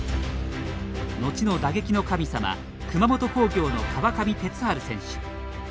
のちの、打撃の神様熊本工業の川上哲治選手。